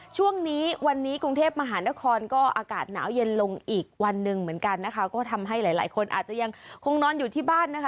ช่วงนี้วันนี้กรุงเทพมหานครก็อากาศหนาวเย็นลงอีกวันหนึ่งเหมือนกันนะคะก็ทำให้หลายหลายคนอาจจะยังคงนอนอยู่ที่บ้านนะคะ